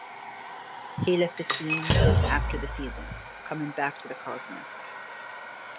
He left the team after the season, coming back to the Cosmos.